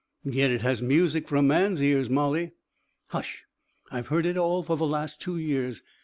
"Yet it has music for a man's ears, Molly." "Hush! I've heard it all for the last two years.